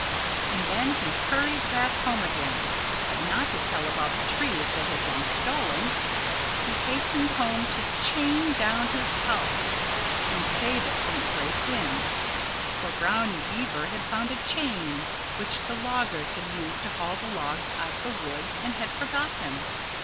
And then he hurried back home again but not to tell about the trees that had been stolen. He hastened home to chain down his house and save it from the great wind. For Brownie Beaver had found a chain, which the loggers had used to haul the logs out of the woods, and had forgotten.